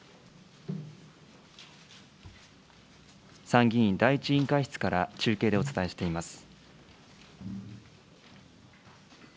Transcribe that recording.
参議院第１委員会室から中継でお伝えしています。